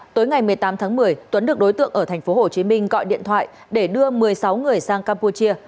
tối ngày một mươi tám tháng một mươi tuấn được đối tượng ở tp hcm gọi điện thoại để đưa một mươi sáu người sang campuchia